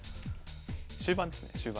終盤ですね終盤。